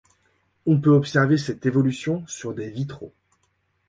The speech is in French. On peut observer cette évolution sur des vitraux.